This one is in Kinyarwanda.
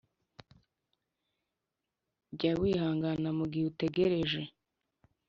Jya wihangana mu gihe utegereje